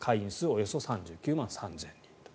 およそ３９万３０００人。